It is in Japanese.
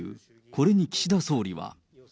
これに岸田総理は。